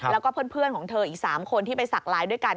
แล้วก็เพื่อนของเธออีก๓คนที่ไปสักไลน์ด้วยกัน